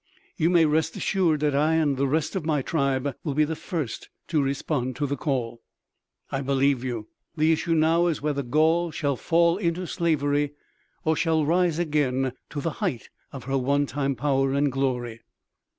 "You may rest assured that I and the rest of my tribe will be the first to respond to the call." "I believe you. The issue now is whether Gaul shall fall into slavery or shall rise again to the height of her one time power and glory."